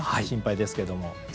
心配ですけれども。